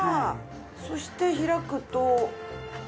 そして開くと。